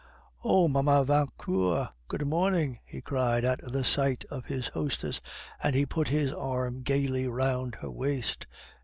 "Oh! Mamma Vauquer! good morning!" he cried at the sight of his hostess, and he put his arm gaily round her waist.